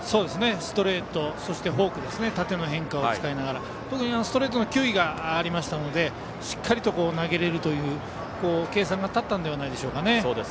ストレート、フォークと縦の変化を使いながら特にストレートの球威がありましたのでしっかりと投げられるという計算が立ったんじゃないですかね。